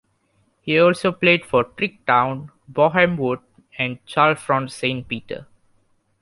He also played for Tring Town, Boreham Wood and Chalfont Saint Peter.